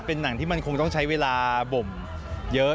เป็นหนังที่มันคงต้องใช้เวลาบ่มเยอะ